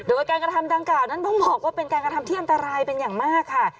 โดยการกระทำดังกล่าวนั้นต้องบอกว่าเป็นการกระทำที่อันตรายเป็นอย่างมากค่ะ